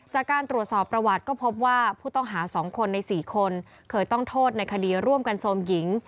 จากการตรวจสอบประวัติก็พบว่าผู้ต้องหา๒คนใน๔คนเคยต้องโทษในคดีร่วมกันโทรมหญิง